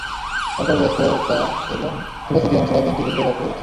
তার কর্মব্যস্ত তা এবং ছোটাছুটি আমি সারাদিন চুপে চুপে লক্ষ্য করেছি।